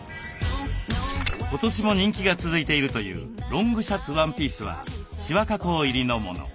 今年も人気が続いているというロングシャツワンピースはシワ加工入りのもの。